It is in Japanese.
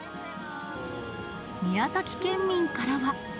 宮崎県民からは。